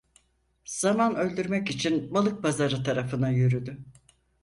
Zaman öldürmek için Balıkpazarı tarafına yürüdü.